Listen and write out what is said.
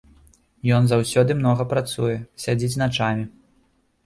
Ён заўсёды многа працуе, сядзіць начамі.